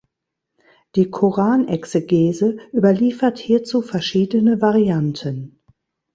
Die Koranexegese überliefert hierzu verschiedene Varianten.